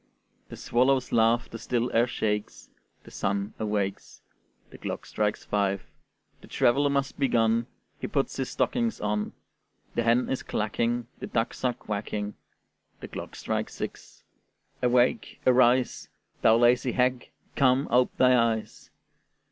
The swallow's laugh the still air shakes, The sun awakes; The clock strikes five: the traveler must be gone, He puts his stockings on. The hen is clacking, The ducks are quacking; The clock strikes six: awake, arise, Thou lazy hag; come, ope thy eyes.